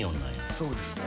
そうですね。